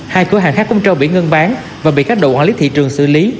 hai cửa hàng khác cũng trâu bị ngưng bán và bị các đội quản lý thị trường xử lý